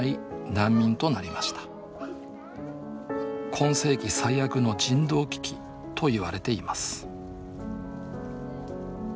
「今世紀最悪の人道危機」と言われています